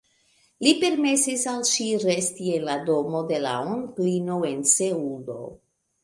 Li permesis al ŝi resti en la domo de la onklino en Seulo.